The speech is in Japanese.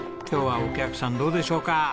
今日はお客さんどうでしょうか？